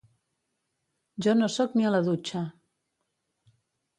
Jo no sóc ni a la dutxa.